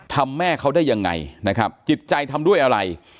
แม่เขาได้ยังไงนะครับจิตใจทำด้วยอะไร